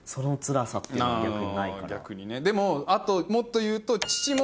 でもあともっと言うと。